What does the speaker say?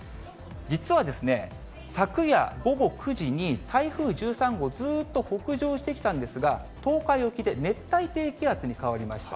実はですね、昨夜午後９時に、台風１３号、ずっと北上してきたんですが、東海沖で熱帯低気圧に変わりました。